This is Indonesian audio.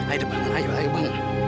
aida bangun aida bangun